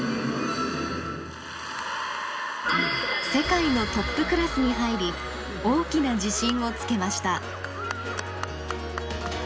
世界のトップクラスに入り大きな自信をつけました。